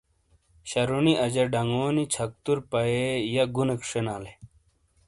شرُونی اجا ڈنگونی چھکتُر پَیئے یہہ گُنیک شینالے۔